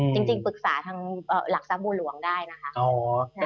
จริงตรงนั้นปรึกษาทางหลักทรัพย์บวลหลวงได้นะคะ